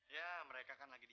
gue atau bila